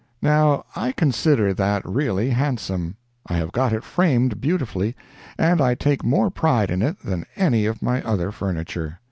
Now I consider that really handsome. I have got it framed beautifully, and I take more pride in it than any of my other furniture.